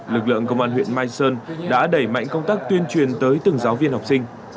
lực lượng công an huyện mai sơn đã đẩy mạnh công tác tuyên truyền tới từng giáo viên học sinh